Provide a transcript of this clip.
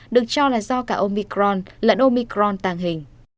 được cho là do cả omicron lẫn omicron tàng hình